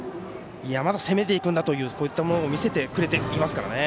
まだ攻めていくんだというのを見せてくれていますからね。